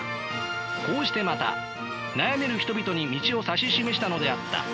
こうしてまた悩める人々に道を指し示したのであった。